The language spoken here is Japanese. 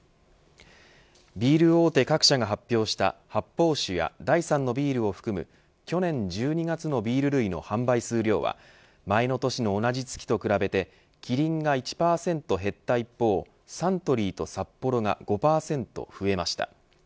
ビール大手各社が発表した発泡酒や第三のビールを含む去年１２月のビール類の販売数量は前の年の同じ月と比べてキリンが１％減った一方サントリーとサッポロが５％増えました。